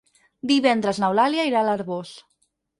Divendres n'Eulàlia irà a l'Arboç.